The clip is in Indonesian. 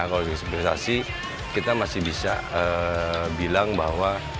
kalau dari segi prestasi kita masih bisa bilang bahwa